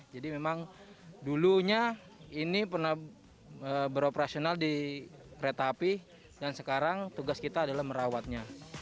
jadi memang dulunya ini pernah beroperasional di kereta api dan sekarang tugas kita adalah merawatnya